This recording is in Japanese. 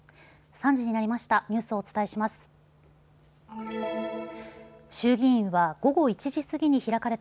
３時になりました。